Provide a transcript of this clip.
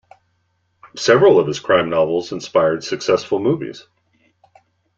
Several of his crime novels inspired successful movies.